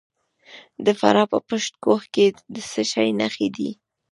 د فراه په پشت کوه کې د څه شي نښې دي؟